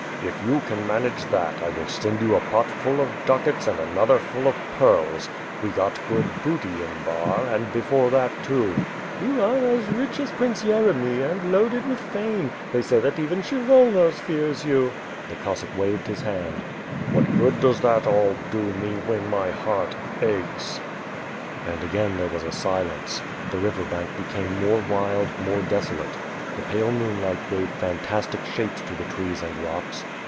"If you can manage that, I will send you a pot full of ducats and another full of pearls. We got good booty in Bar, and before that, too." 'TTou are rich as Prince Yeremy — and loaded with fame. They say that even Kshyvonos fears you." The Cossack waved his hand. 'T^at good does that all do me, when my heart aehes?" And again, there was a silence. The river bank became more wild, more desolate. The pale moonlight gave fantas tic shapes to the trees and rocks.